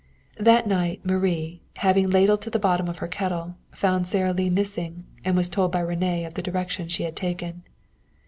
That night Marie, having ladled to the bottom of her kettle, found Sara Lee missing, and was told by René of the direction she had taken.